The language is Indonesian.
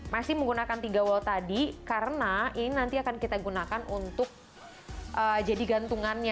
masih menggunakan tiga wall tadi karena ini nanti akan kita gunakan untuk jadi gantungannya